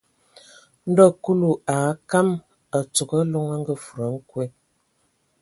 Ndo Kulu a akam a tsogo Aloŋ a ngafudi a nkwe.